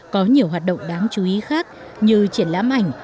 có nhiều hoạt động đáng chú ý khác như triển lãm ảnh